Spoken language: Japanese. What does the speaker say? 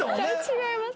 違います。